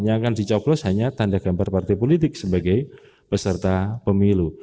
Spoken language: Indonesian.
yang akan dicoblos hanya tanda gambar partai politik sebagai peserta pemilu